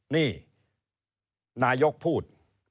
นี่นายกพูด